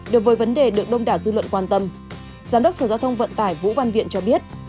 đối với vấn đề được đông đảo dư luận quan tâm giám đốc sở giao thông vận tải vũ văn viện cho biết